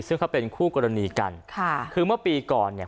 ซึ่งเขาเป็นคู่กรณีกันค่ะคือเมื่อปีก่อนเนี่ย